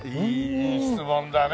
いい質問だね。